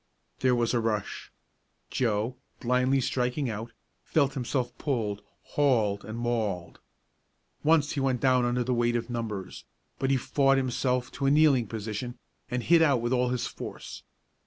There was a rush. Joe, blindly striking out, felt himself pulled, hauled and mauled. Once he went down under the weight of numbers, but he fought himself to a kneeling position and hit out with all his force.